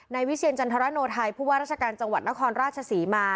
ในวิทย์เชียร์จันทราโนไทยพูดว่าราชการจังหวัดนครราชสีมา